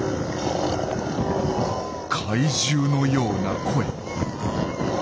怪獣のような声。